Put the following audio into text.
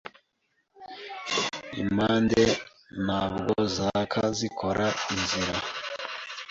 Impande ntabwo zaka zikora inzira